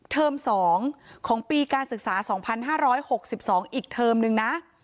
เทอม๒ของปีการศึกษา๒๕๖๒อีกเทอมนึงนะ